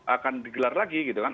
akan digelar lagi gitu kan